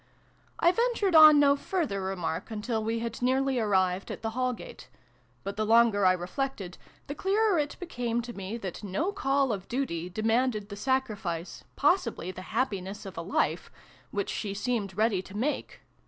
I ventured on no further remark until we had nearly arrived at the Hall gate ; but, the longer I reflected, the clearer it became to me that no call of Duty demanded the sacrifice possibly of the happiness of a life which she seemed ready to make.